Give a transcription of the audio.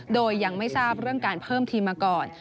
โดยยังไม่ทราบเรื่องการเพิ่มทีมมาก่อน